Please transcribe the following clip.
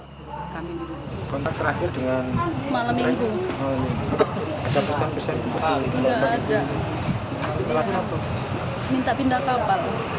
minta pindah kapal karena jarang beroperasi kapalnya